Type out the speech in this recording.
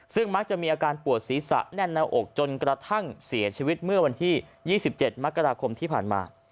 ซึ่งมักจะมีอาการปวดศีรษะแน่นหน้าอกจนกระทั่งเสียชีวิตเมื่อวันที่๒๗มกราคมที่ผ่านมา